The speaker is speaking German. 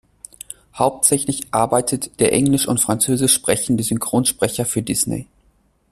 Hauptsächlich arbeitet der Englisch und Französisch sprechende Synchronsprecher für Disney.